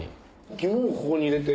肝をここに入れて？